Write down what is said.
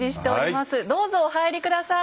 どうぞお入り下さい。